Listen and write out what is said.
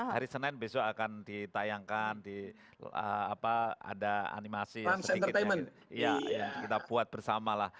hari senin besok akan ditayangkan ada animasi sedikit yang kita buat bersama lah